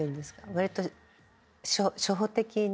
わりと。